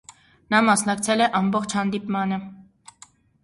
Նա մասնակցել է ամբողջ հանդդիպմանը։